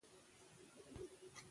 مبالغې ته به په کې ځای نه وي.